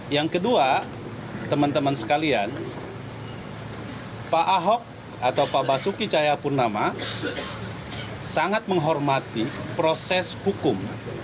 yang kedua teman teman sekalian pak ahok atau pak basuki cahayapurnama sangat menghormati proses hukum